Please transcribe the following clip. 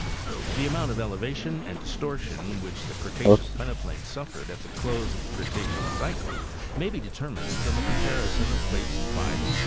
The amount of .elevation and distortion which the Cretaceous peneplain suffered at the close of the Cretaceous cycle may be determined from a compar ison of plates 5 and 6.